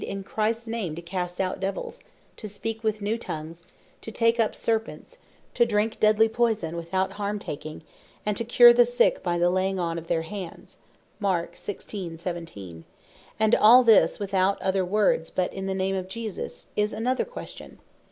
"In Christs name to cast out Devills, to speak with new Tongues, to take up Serpents, to drink deadly Poison without harm taking, and to cure the Sick by the laying on of their hands," and all this without other words, but "in the Name of Jesus," is another question.